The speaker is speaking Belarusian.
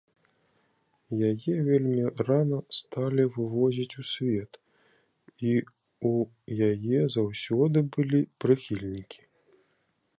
Яе вельмі рана сталі вывозіць у свет, і ў яе заўсёды былі прыхільнікі.